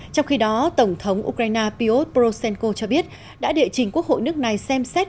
trong khi đó tổng thống ukraine piotr poroshenko cho biết đã địa chỉnh quốc hội nước này xem xét